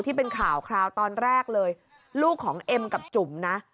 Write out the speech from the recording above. ที่เป็นข่าวคราวตอนแรกเลยลูกของเอ็มกับจุ๋มนะ